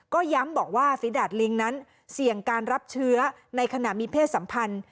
ก็ย้ำบอกว่าฝีดาดลิงนั้นเสี่ยงการรับเชื้อในขณะมีเพศสัมพันธ์